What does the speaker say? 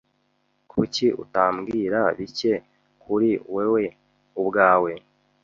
Kuki utambwira bike kuri wewe ubwawe?